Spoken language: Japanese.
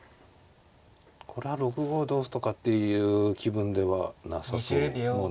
これは６五同歩とかっていう気分ではなさそう。